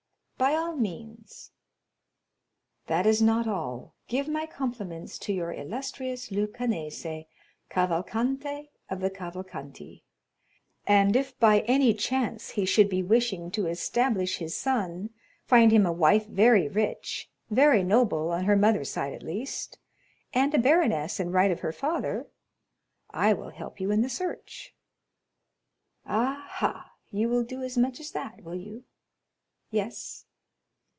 "By all means." "That is not all; give my compliments to your illustrious Luccanese, Cavalcante of the Cavalcanti; and if by any chance he should be wishing to establish his son, find him a wife very rich, very noble on her mother's side at least, and a baroness in right of her father, I will help you in the search." "Ah, ha; you will do as much as that, will you?" "Yes."